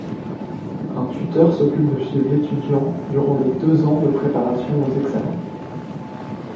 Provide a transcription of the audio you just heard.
Un tuteur s’occupe de suivre l’étudiant durant les deux ans de préparation aux examens.